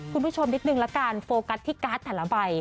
คุณผู้ชมนิดนึงละกันโฟกัสที่การ์ดแต่ละใบ